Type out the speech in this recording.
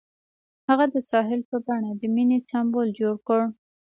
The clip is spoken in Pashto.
هغه د ساحل په بڼه د مینې سمبول جوړ کړ.